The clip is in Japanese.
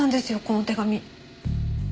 この手紙。